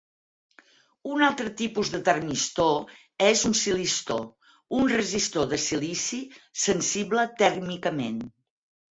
Un altre tipus de termistor és un silistor, un resistor de silici sensible tèrmicament.